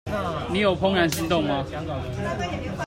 你有怦然心動嗎？